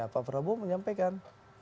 pak prabowo menyampaikan